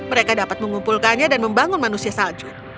mereka dapat mengumpulkannya dan membangun manusia salju